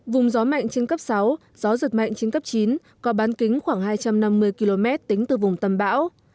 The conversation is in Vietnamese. vùng gió mạnh trên cấp sáu gió giật mạnh chín cấp chín có bán kính khoảng hai trăm năm mươi km tính từ vùng tâm bão